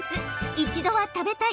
一度は食べたい！